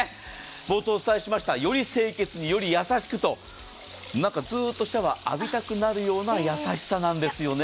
冒頭、お伝えしたより清潔に、より優しくとずっとシャワー浴びたくなるような優しさなんです。